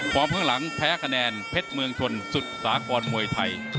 ข้างหลังแพ้คะแนนเพชรเมืองชนสุดสากรมวยไทย